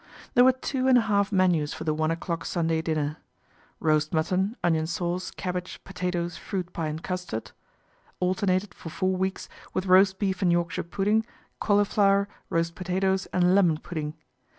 There were two and a half menus for the one o'clock Sunday dinner. Roast mutton, onion sauce, cabbage, potatoes, fruit pie, and custard ; alternated for four weeks with roast beef and Yorkshire pudding, cauliflower, roast potatoes, and lemon pudding.